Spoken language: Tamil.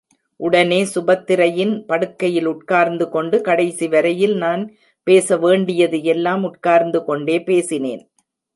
உடனே சுபத்திரையின் படுக்கையில் உட்கார்ந்து கொண்டு, கடைசி வரையில் நான் பேச வேண்டியதையெல்லாம் உட்கார்ந்து கொண்டே பேசினேன்!